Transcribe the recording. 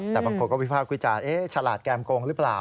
แต่บางคนก็วิพากษ์วิจารณ์ฉลาดแก้มโกงหรือเปล่า